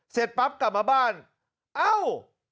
เสร็จปั๊บกลับมาบ้านเอ้า